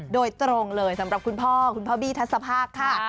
โดยตรงเลยสำหรับคุณพ่อคุณพ่อบี้ทัศภาคค่ะ